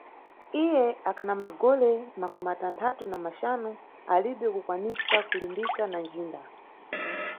Iye akhana magole makumatanthatu na maxanu, alibe kukwanisa kulimbika na ndjinda.